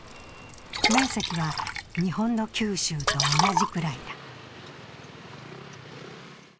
面積は日本の九州と同じくらいだ。